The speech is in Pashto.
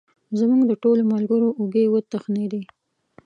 زموږ د ټولو ملګرو اوږې وتخنېدې.